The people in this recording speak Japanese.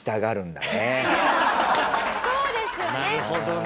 そうですよね。